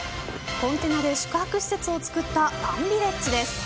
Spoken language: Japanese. コンテナで宿泊施設を作ったファンビレッジです。